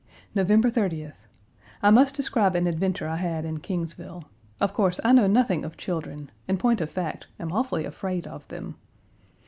November 30th. I must describe an adventure I had in Kingsville. Of course, I know nothing of children: in point of fact, am awfully afraid of them.